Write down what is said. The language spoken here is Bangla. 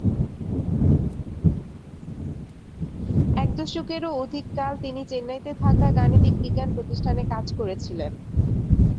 এক দশকেরও অধিক কাল তিনি চেন্নাইতে থাকা গাণিতিক বিজ্ঞান প্রতিষ্ঠানে কাজ করেছিলেন।